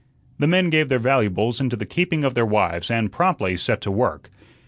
The men gave their valuables into the keeping of their wives and promptly set to work.